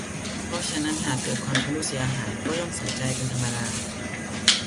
เพราะฉะนั้นหากเกิดความชำรุดเสียหายก็ย่อมเสียใจเป็นธรรมดา